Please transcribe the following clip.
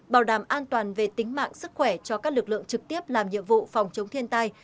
bảo đảm an toàn về tính mạng sức khỏe cho các lực lượng trực tiếp làm nhiệm vụ phòng chống thiên tai